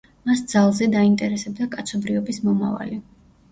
მას ძალზედ აინტერესებდა კაცობრიობის მომავალი.